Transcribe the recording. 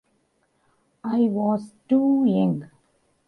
I was too young.